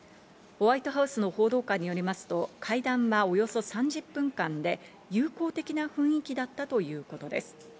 ホワイトハウスの報道官によりますと会談はおよそ３０分間で、友好的な雰囲気だったということです。